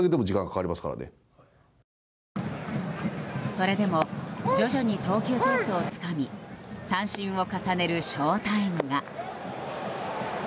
それでも徐々に投球ペースをつかみ三振を重ねるショウタイムが。